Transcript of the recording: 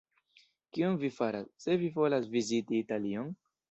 Kion vi faras, se vi volas viziti Italion?